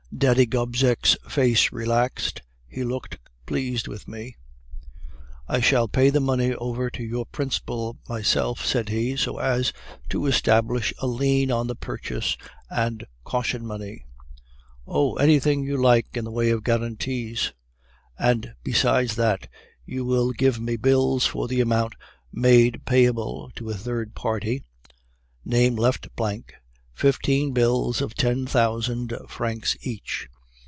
"Daddy Gobseck's face relaxed; he looked pleased with me. "'I shall pay the money over to your principal myself,' said he, 'so as to establish a lien on the purchase and caution money.' "'Oh, anything you like in the way of guarantees.' "'And besides that, you will give me bills for the amount made payable to a third party (name left blank), fifteen bills of ten thousand francs each.